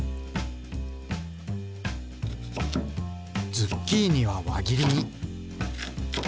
ズッキーニは輪切りに。